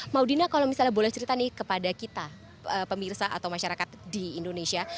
maudina kalau misalnya boleh cerita nih kepada kita pemirsa atau masyarakat di indonesia